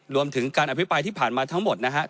รวมถึงการอภิปรายที่ผ่านมาทั้งหมดนะครับ